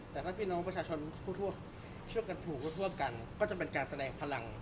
แต่ถ้าพี่น้องประชาชนทั่วกันถูกทั่วกันก็จะเป็นการแสดงพลัง